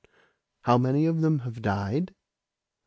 "How many of them have died?